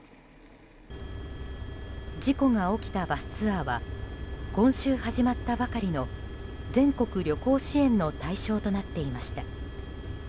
事故が起きたバスツアーは今週始まったばかりの全国旅行支援の対象となっていました。